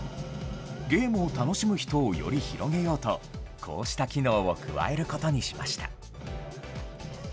ゲームを楽しむ人をより広げようと、こうした機能を加えることにしました。